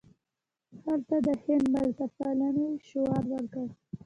هغه د هند ملتپالنې شعار ورکړ.